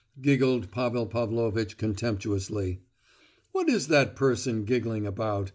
giggled Pavel Pavlovitch contemptuously. "What is that person giggling about?